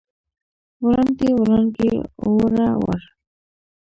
وړاندې، وړانګې، اووړه، وړ